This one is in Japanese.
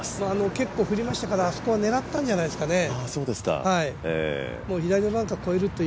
結構振りましたから、あそこは狙ったんじゃないですかね。